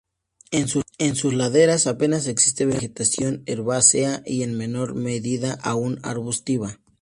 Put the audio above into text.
En sus laderas apenas existe vegetación herbácea y, en menor medida aún, arbustiva.